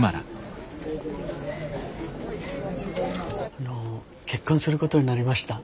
あの結婚することになりました。